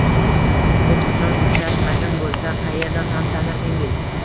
Hech qachon uchrashmagan bo`lsak qaerdan ham tanirdingiz